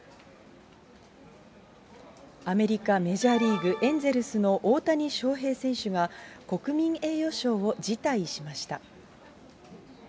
アメリカメジャーリーグ・エンゼルスの大谷翔平選手が国民栄誉賞を辞退しました。